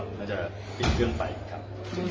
อาจจะเปลี่ยนเครื่องไปครับ